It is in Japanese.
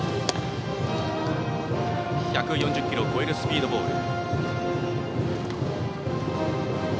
１４０キロを超えるスピードボール。